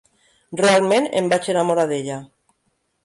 Realment, em vaig enamorar d'ella.